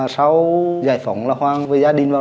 sau giải phóng là hoàng với gia đình vào nam làm ăn